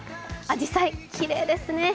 あじさい、きれいですね。